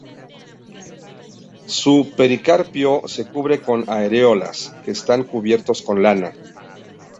Su pericarpio se cubre con areolas, que están cubiertos con lana.